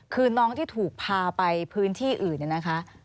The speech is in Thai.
คือน้องที่ถูกพาไปพื้นที่อื่นเนี่ยนะคะ